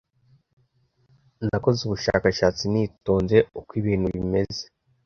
Nakoze ubushakashatsi nitonze uko ibintu bimeze.